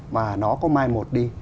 và nó có mai một đi